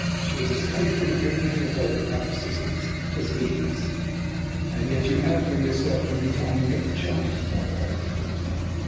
She is as capable of getting into the boat without assistance as he is." "And yet you help her yourself every time you get the chance," my wife retorted.